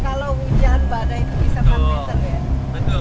kalau hujan badai tuh bisa seratus meter ya